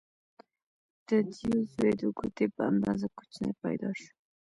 د دیو زوی د ګوتې په اندازه کوچنی پیدا شو.